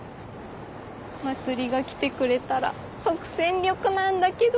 茉莉が来てくれたら即戦力なんだけど。